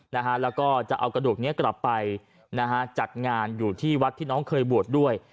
นะฮะแล้วก็จะเอากระดูกนี้กลับไปนะฮะจัดงานอยู่ที่วัดที่น้องเคยบวชด้วย